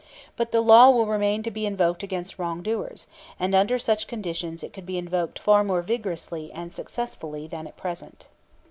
But the law will remain to be invoked against wrongdoers; and under such conditions it could be invoked far more vigorously and successfully than at present.